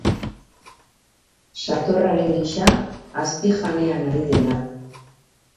Satorraren gisa azpijanean ari dena.